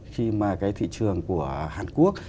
khi mà cái thị trường của hàn quốc